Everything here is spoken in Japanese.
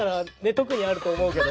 特にあると思うけど。